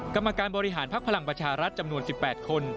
กรรมการบริหารภักดิ์พลังประชารัฐจำนวน๑๘คน